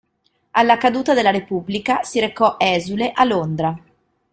Alla caduta della Repubblica si recò esule a Londra.